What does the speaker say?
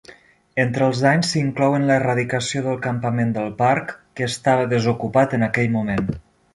Entre els danys s'hi inclouen l'eradicació del campament del parc, que estava desocupat en aquell moment.